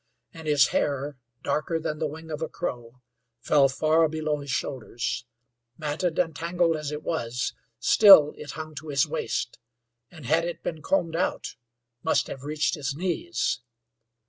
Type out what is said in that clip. And his hair, darker than the wing of a crow, fell far below his shoulders; matted and tangled as it was, still it hung to his waist, and had it been combed out, must have reached his knees.